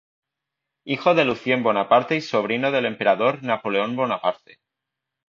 Hijo de Lucien Bonaparte y sobrino del emperador Napoleón Bonaparte.